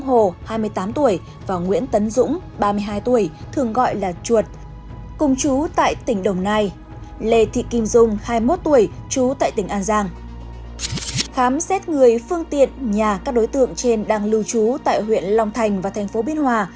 khám xét người phương tiện nhà các đối tượng trên đang lưu trú tại huyện long thành và thành phố biên hòa